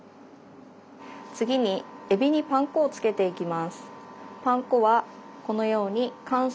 次にえびにパン粉をつけていきます。